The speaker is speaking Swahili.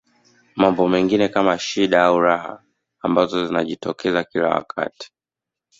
Mambo mengine kama shida au raha ambazo zinajitokeza kila wakati